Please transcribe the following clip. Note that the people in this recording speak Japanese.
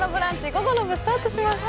午後の部スタートしました。